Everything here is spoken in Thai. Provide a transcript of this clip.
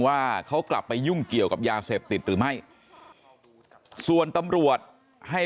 ว่าเขากลับไปยุ่งเกี่ยวกับยาเสพติดหรือไม่ส่วนตำรวจให้